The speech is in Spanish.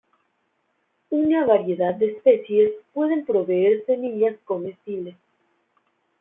Una variedad de especies pueden proveer semillas comestibles.